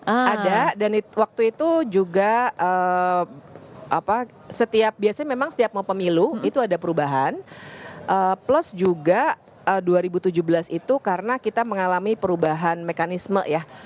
ada dan waktu itu juga setiap biasanya memang setiap mau pemilu itu ada perubahan plus juga dua ribu tujuh belas itu karena kita mengalami perubahan mekanisme ya